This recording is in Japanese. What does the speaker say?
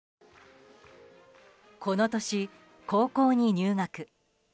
この年、高校に入学。